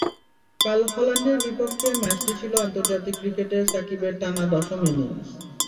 কাল হল্যান্ডের বিপক্ষে ম্যাচটি ছিল আন্তর্জাতিক ক্রিকেটে সাকিবের টানা দশম ইনিংস।